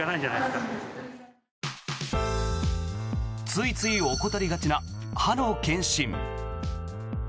ついつい怠りがちな歯の検診。